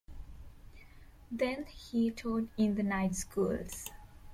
Then he taught in the night schools.